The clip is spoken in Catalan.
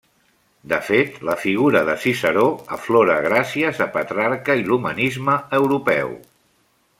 De fet, la figura de Ciceró aflora gràcies a Petrarca i l'humanisme europeu.